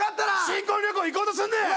新婚旅行行こうとすんなよ